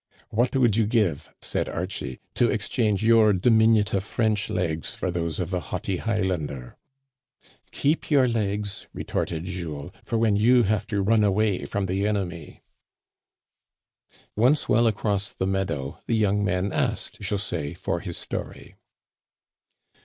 " What would you give/' said Archie> " to exchange Digitized by VjOOQIC 90 THE CANADIANS OF OLD, your diminutive French legs for those of the haughty Highlander?" "Keep your legs," retorted Jules, "for when you have to run away from the enemy.*' Once well across the meadow, the young men asked José for his story.